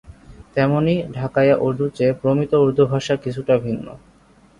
তেমনই ঢাকাইয়া উর্দুর চেয়ে প্রমিত উর্দু ভাষা কিছুটা ভিন্ন।